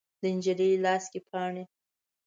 د نجلۍ لاس کې پاڼې